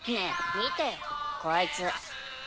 見てよこいつ。